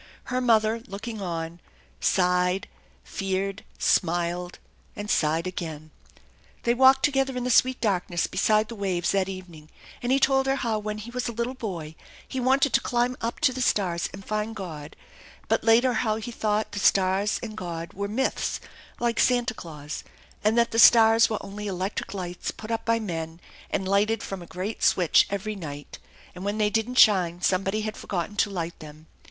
Her mother, looking on, sighed, feared, smiled, and sighed again, They walked together in the sweet darkness beside the waves that evening, and he told her how when he was a little boy he wanted to climb up to the stars and find God, but later how he thought the stars and God were myths like Santa Glaus, and that the stars were only electric lights put up by men and lighted from a great switch every night, and when they didn't shine somebody had forgotten to light them.